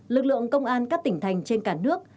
lực lượng công an các tỉnh thành trên cả nước